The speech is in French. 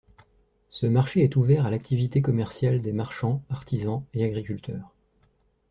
Ce marché est ouvert à l'activité commerciale des marchands, artisans et agriculteurs.